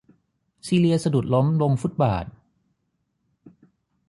ซีเลียสะดุดล้มลงฟุตบาธ